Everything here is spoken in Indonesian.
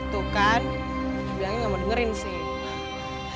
tuh kan udah bilangnya gak mau dengerin sih